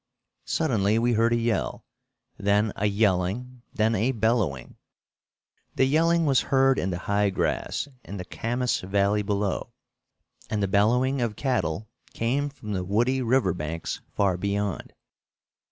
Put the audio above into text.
Suddenly we heard a yell; then a yelling, then a bellowing. The yelling was heard in the high grass in the Camas Valley below, and the bellowing of cattle came from the woody river banks far beyond.